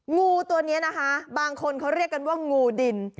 งูตัวนี้นะคะบางคนเขาเรียกกันว่างูดิน